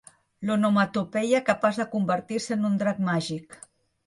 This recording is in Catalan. L'onomatopeia capaç de convertir-se en un drac màgic.